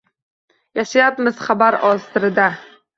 Yashayapmiz xabar asrida